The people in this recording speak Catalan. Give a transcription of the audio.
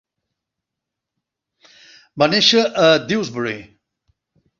Va néixer a Dewsbury.